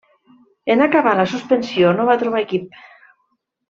En acabar la suspensió no va trobar equip.